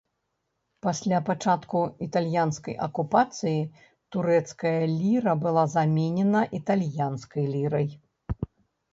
Пасля пачатку італьянскай акупацыі, турэцкая ліра была заменена італьянскай лірай.